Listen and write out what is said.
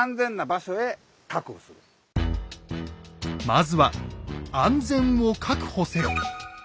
まずは「安全を確保せよ！」。